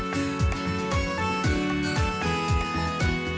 เพื่อให้มุมสามารถลองจากกันไว้